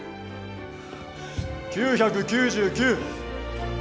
９９９。